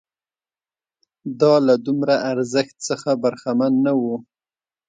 دا له دومره ارزښت څخه برخمن نه وو